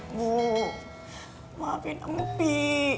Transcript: ibu maafin empi